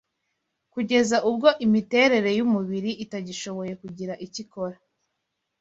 kugeza ubwo imiterere y’umubiri itagishoboye kugira icyo ikora.